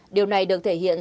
điều này được thể hiện rõ nét